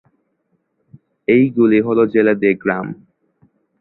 এইগুলি হলো জেলেদের গ্রাম।